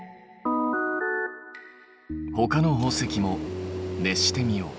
ほかの宝石も熱してみよう。